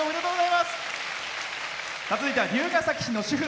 続いては龍ケ崎市の主婦。